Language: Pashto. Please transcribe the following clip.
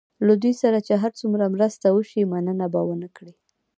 له دوی سره چې هر څومره مرسته وشي مننه به ونه کړي.